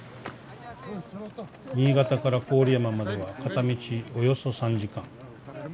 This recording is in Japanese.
「新潟から郡山までは片道およそ３時間。